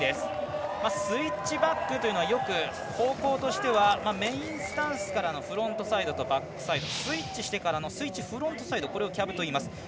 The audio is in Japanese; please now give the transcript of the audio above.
スイッチバックというのはよく方向としてはメインスタンスからのフロントサイドとバックサイド、スイッチしてからスイッチバックサイドこれをキャブといいます。